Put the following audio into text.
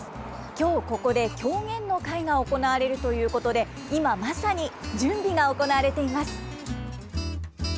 今日ここで狂言の会が行われるということで今まさに準備が行われています。